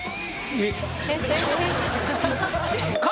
えっ？